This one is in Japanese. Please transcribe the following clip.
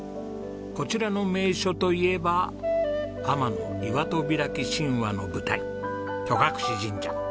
こちらの名所といえば『天岩戸開き神話』の舞台戸隠神社。